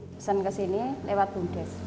pesan ke sini lewat bumdes